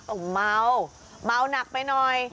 ก็เมาเมาหนักไปหน่อย